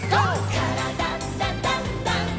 「からだダンダンダン」